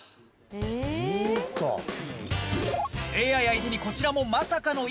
ＡＩ相手にこちらもまさかの一手。